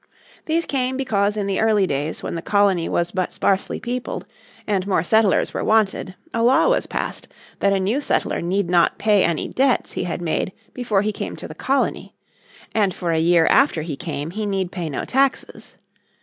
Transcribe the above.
These came because in the early days when the colony was but sparsely peopled, and more settlers were wanted, a law was passed that a new settler need not pay any debts he had made before he came to the colony; and for a year after he came he need pay no taxes.